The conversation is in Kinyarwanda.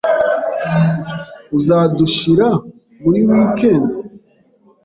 Uzadushira muri wikendi?